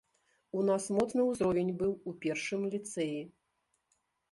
У нас моцны ўзровень быў у першым ліцэі.